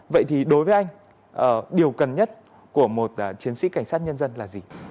vậy thì đối với anh điều cần nhất của một chiến sĩ cảnh sát nhân dân là gì